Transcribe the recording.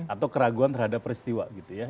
atau keraguan terhadap peristiwa